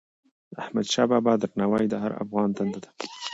د احمدشاه بابا درناوی د هر افغان دنده ده.